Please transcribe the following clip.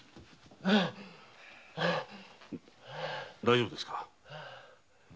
大丈夫ですか？